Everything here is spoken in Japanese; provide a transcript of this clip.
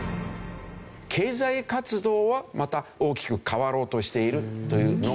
経済活動はまた大きく変わろうとしているというのが。